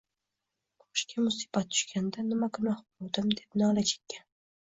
Boshga musibat tushganida: “Nima gunoh qiluvdim?!” deb nola chekkan